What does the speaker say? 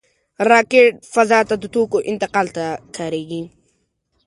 راکټ فضا ته د توکو انتقال ته کارېږي